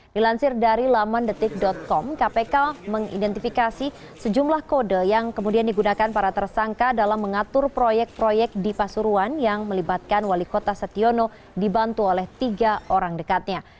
dilansir dari laman detik com kpk mengidentifikasi sejumlah kode yang kemudian digunakan para tersangka dalam mengatur proyek proyek di pasuruan yang melibatkan wali kota setiono dibantu oleh tiga orang dekatnya